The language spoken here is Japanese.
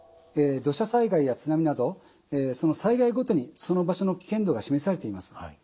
土砂災害や津波などその災害ごとにその場所の危険度が示されています。